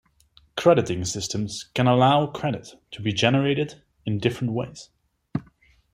Crediting systems can allow credit to be generated in different ways.